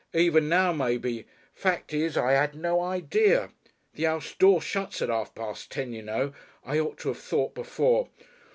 "Even now maybe. Fact is I 'ad no idea. The 'ouse door shuts at 'arf past ten, you know. I ought to 'ave thought before."